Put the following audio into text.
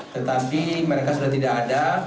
tetapi mereka sudah tidak ada